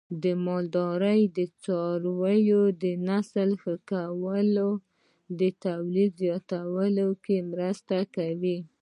د مالدارۍ د څارویو د نسل ښه کول د تولید زیاتوالي کې مرسته کوي.